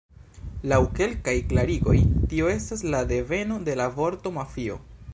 Laŭ kelkaj klarigoj tio estas la deveno de la vorto "mafio".